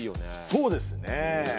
そうですねえ。